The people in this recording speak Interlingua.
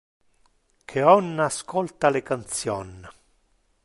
Que on ascolta le cantion.